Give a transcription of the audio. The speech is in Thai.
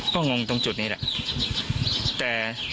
ค่ะ